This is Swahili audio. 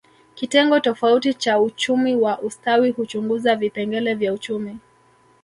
Kitengo tofauti cha uchumi wa ustawi huchunguza vipengele vya uchumi